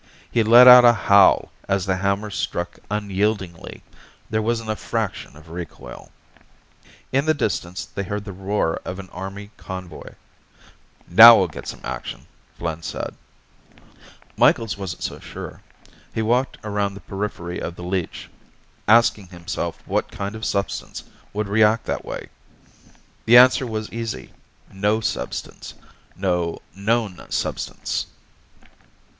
He let out a howl as the hammer struck unyieldingly. There wasn't a fraction of recoil. In the distance they heard the roar of an Army convoy. "Now we'll get some action," Flynn said. Micheals wasn't so sure. He walked around the periphery of the leech, asking himself what kind of substance would react that way. The answer was easy no substance. No known substance.